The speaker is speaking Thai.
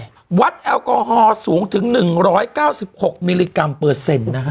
เท่าไรวัดแอลกอฮอล์สูงถึงหนึ่งร้อยเก้าสิบหกมิลลิกร้ำเปอร์เซ็นต์นะฮะ